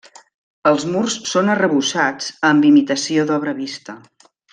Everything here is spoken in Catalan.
Els murs són arrebossats amb imitació d'obra vista.